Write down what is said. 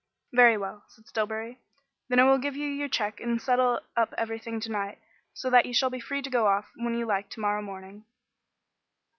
"Very well," said Stillbury. "Then I will give you your cheque and settle up everything to night, so that you shall be free to go off when you like to morrow morning."